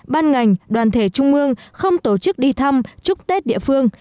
ban ngành đoàn thể trung mương không tổ chức đi thăm chúc tết địa phương